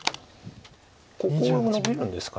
ここノビるんですか。